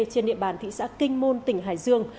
trên địa bàn thị xã kinh môn tỉnh hải dương